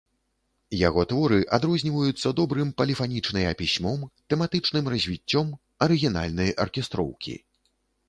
Яго творы адрозніваюцца добрым поліфанічныя пісьмом, тэматычным развіццём, арыгінальнай аркестроўкі.